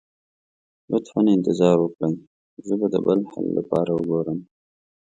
لطفا انتظار وکړئ، زه به د بل حل لپاره وګورم.